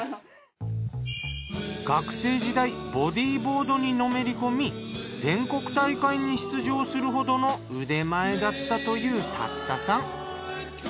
学生時代ボディーボードにのめりこみ全国大会に出場するほどの腕前だったという竜田さん。